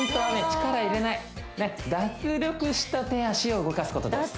力入れない脱力した手脚を動かすことです